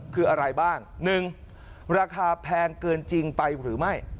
คืออะไรบ้าง๑ราคาแพงเกินจริงไปหรือไม่